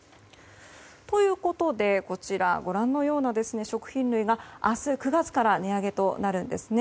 ということでご覧のような食品類が明日９月から値上げとなるんです。